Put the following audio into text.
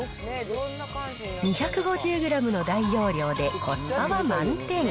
２５０グラムの大容量でコスパは満点。